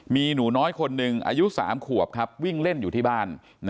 มีหนูน้อยคนหนึ่งอายุ๓ขวบวิ่งเล่นอยู่ที่บ้าน